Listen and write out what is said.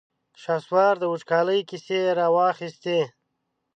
شهسوار د وچکالۍ کيسې را واخيستې.